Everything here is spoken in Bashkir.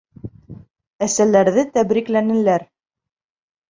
Әсәләрҙе тәбрикләнеләр